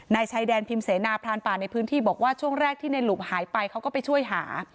ชายแดนพิมพ์เสนาพรานป่าในพื้นที่บอกว่าช่วงแรกที่ในหลุมหายไปเขาก็ไปช่วยหา